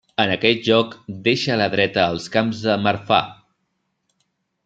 En aquest lloc deixa a la dreta els Camps de Marfà.